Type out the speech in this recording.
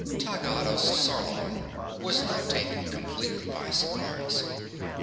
Taggad of Sarlon was not taken completely by surprise.